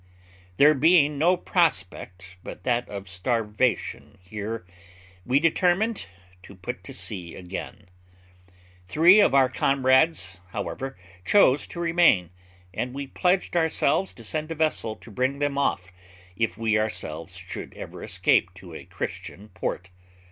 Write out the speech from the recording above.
'There being no prospect but that of starvation here, we determined to put to sea again. Three of our comrades, however, chose to remain, and we pledged ourselves to send a vessel to bring them off, if we ourselves should ever escape to a Christian port.